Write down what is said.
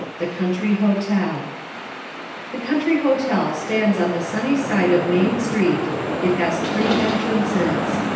The Country Hotel_ The country hotel stands on the sunny side of Main Street. It has three entrances.